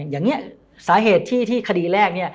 อย่างนี้สาเหตุที่คดีแรกเนี่ย